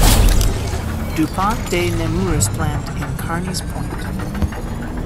DuPont de Nemours plant in Carneys Point.